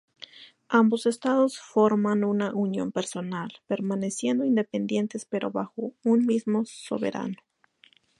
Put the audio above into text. Ambos estados formaron una unión personal, permaneciendo independientes, pero bajo un mismo soberano.